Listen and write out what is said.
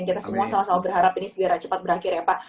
kita semua sama sama berharap ini segera cepat berakhir ya pak